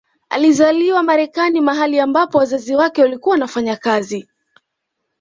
Alizaliwa Marekani mahali ambapo wazazi wake walikuwa wanafanya kazi